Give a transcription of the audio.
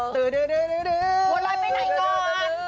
บัวลอยไปไหนก่อน